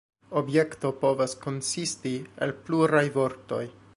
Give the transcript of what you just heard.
Objekto povas konsisti el pluraj vortoj.